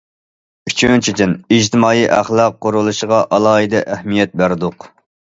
ئۈچىنچىدىن: ئىجتىمائىي ئەخلاق قۇرۇلۇشىغا ئالاھىدە ئەھمىيەت بەردۇق.